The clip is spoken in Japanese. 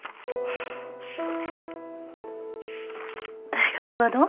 大学はどう？